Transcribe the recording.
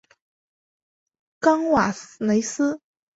冈萨雷斯。